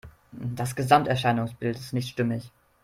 Das Gesamterscheinungsbild ist nicht stimmig.